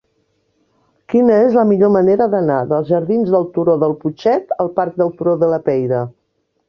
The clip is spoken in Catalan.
Quina és la millor manera d'anar dels jardins del Turó del Putxet al parc del Turó de la Peira?